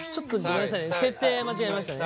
設定間違えましたね。